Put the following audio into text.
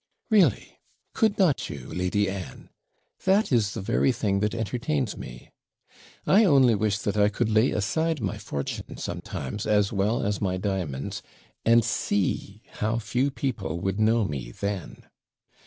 'Really! could not you, Lady Anne? That is the very thing that entertains me. I only wish that I could lay aside my fortune sometimes, as well as my diamonds, and see how few people would know me then.